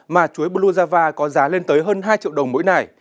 mà chuối blue java có giá lên tới hơn hai triệu đồng mỗi nải